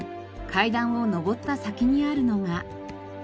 階段を上った先にあるのが。